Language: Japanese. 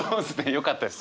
よかったです